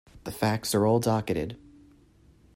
The facts are all docketed.